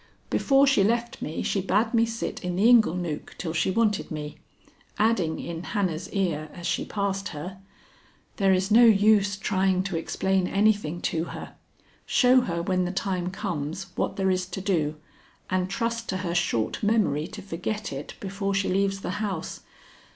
Before she left me she bade me sit in the inglenook till she wanted me, adding in Hannah's ear as she passed her: 'There is no use trying to explain anything to her. Show her when the time comes what there is to do and trust to her short memory to forget it before she leaves the house.